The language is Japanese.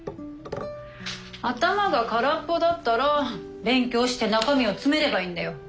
頭が空っぽだったら勉強して中身を詰めればいいんだよ。